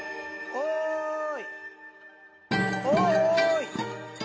おい！